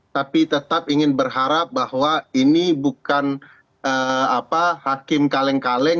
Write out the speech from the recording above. tapi tetap ingin berharap bahwa ini bukan hakim kaleng kaleng